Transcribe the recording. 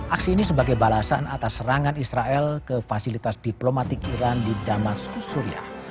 aksi ini sebagai balasan atas serangan israel ke fasilitas diplomatik iran di damas suriah